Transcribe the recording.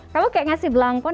kamu kayak ngasih belangkon